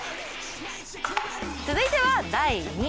続いては、第２位。